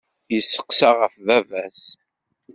Yesseqsa ɣef baba-s.